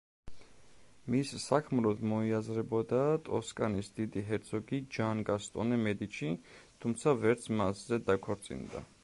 მის საქმროდ მოიაზრებოდა ტოსკანის დიდი ჰერცოგი ჯან გასტონე მედიჩი, თუმცა ვერც მასზე დაქორწინდა.